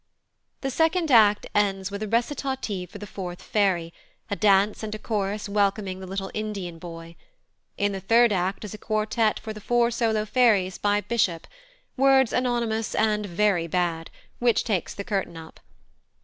The second act ends with a recitative for the fourth fairy, a dance and a chorus welcoming the little Indian boy. In the third act is a quartet for the four solo fairies by Bishop, words anonymous and very bad, which takes the curtain up.